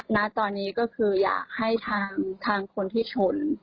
ณตอนนี้ก็คืออยากให้ทางคนที่ชน